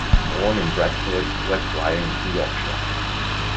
Born in Bradford, West Riding of Yorkshire.